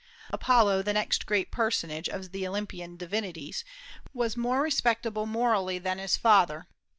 Apollo, the next great personage of the Olympian divinities, was more respectable morally than his father.